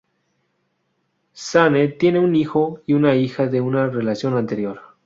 Shane tiene un hijo y una hija de una relación anterior.